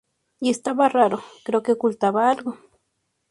y estaba raro. creo que ocultaba algo.